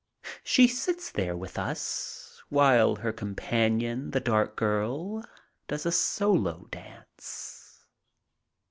She sits there with us, while her companion, the dark girl, does a solo dance.